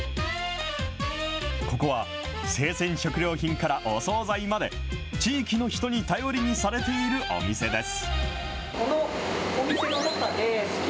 ここは、生鮮食料品からお総菜まで、地域の人に頼りにされているお店です。